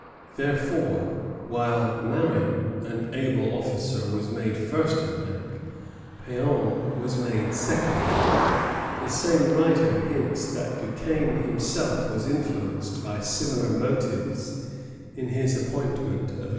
Therefore while Marin, an able officer, was made first in rank, Péan was made second. The same writer hints that Duquesne himself was influenced by similar motives in his appointment of leaders.